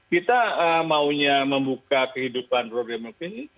kita maunya membuka kehidupan program program ini